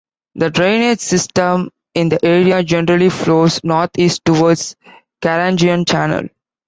The drainage system in the area generally flows north-east towards Carangian Channel.